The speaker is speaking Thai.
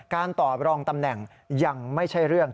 การตอบรองตำแหน่งยังไม่ใช่เรื่อง